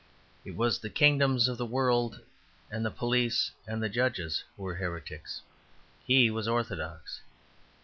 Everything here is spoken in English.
It was the kingdoms of the world and the police and the judges who were heretics. He was orthodox.